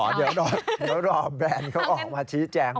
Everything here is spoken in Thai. อ๋อเดี๋ยวเราเอาแบรนด์เขาให้ออกมาชี้แจ้งหน่อย